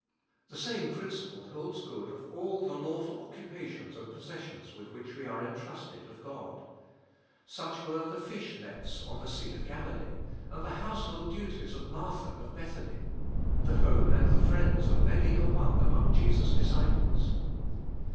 The same principle holds good of all the lawful occupations and possessions with which we are en trusted of God. Such were the fish nets on the Sea of Galilee, and the household duties of Martha of Bethany, — the home and the friends of many a one among Jesus' disciples.